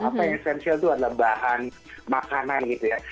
apa yang esensial itu adalah bahan makanan gitu ya